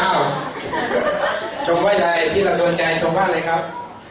อ้าวชมไว้ใจที่เราโดนใจชมบ้างเลยครับ